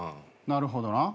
なるほどな。